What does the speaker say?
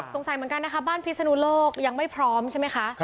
เหมือนกันนะคะบ้านพิศนุโลกยังไม่พร้อมใช่ไหมคะ